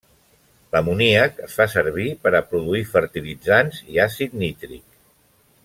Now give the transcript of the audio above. L'amoníac es fa servir per a produir fertilitzants i àcid nítric.